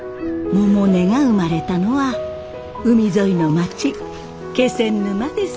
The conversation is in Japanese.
百音が生まれたのは海沿いの町気仙沼です。